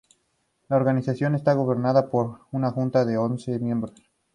La organización está gobernada por una junta de once miembros.